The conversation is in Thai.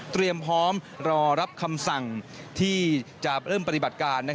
พร้อมรอรับคำสั่งที่จะเริ่มปฏิบัติการ